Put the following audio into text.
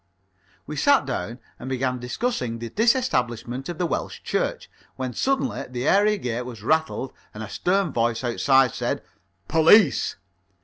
We sat down and began discussing the Disestablishment of the Welsh Church, when suddenly the area gate was rattled and a stern voice outside said "Police."